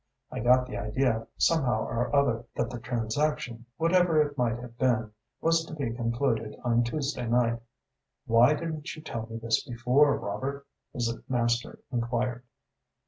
I got the idea, somehow or other, that the transaction, whatever it might have been, was to be concluded on Tuesday night." "Why didn't you tell me this before, Robert?" his master enquired.